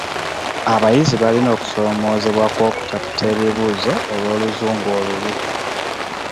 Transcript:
Abayizi balina okusoomoozebwa kw'okutaputa ebibuuzo olw'oluzungu olubi.